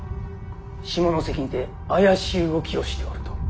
下関にて怪しい動きをしておると。